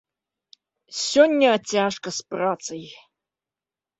Сёння цяжка з працай.